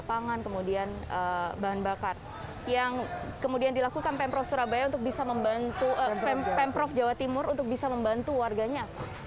bagaimana pemprov jawa timur untuk bisa membantu warganya